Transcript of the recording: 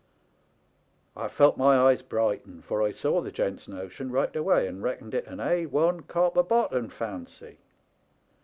" I felt my eyes brighten, for I saw the gent's notion right away and reckoned it an Al copper bottomed fancy.